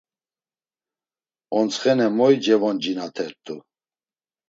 Ontsxene moy cevoncinatert̆u?